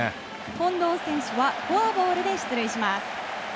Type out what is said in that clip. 近藤選手はフォアボールで出塁します。